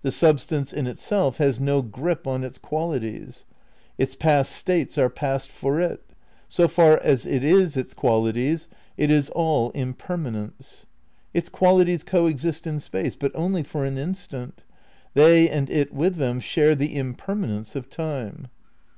The substance in itself has no grip on its qualities ; its past states are past for it ; so far as it is its qualities, it is all impermanence. Its qualities co exist in space ; but only for an instant ; they and it with them share the impermanence of time.